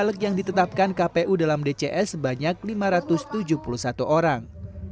caleg yang ditetapkan kpu dalam dcs sebanyak lima ratus tujuh puluh satu orang